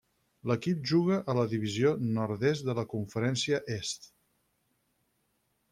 L'equip juga a la Divisió Nord-est de la Conferència Est.